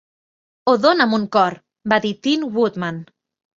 "O dona'm un cor", va dir Tin Woodman.